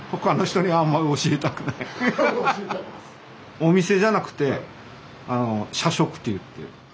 お店じゃなくて舎食っていって。